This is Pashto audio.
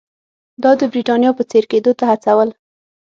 دا د برېټانیا په څېر کېدو ته هڅول.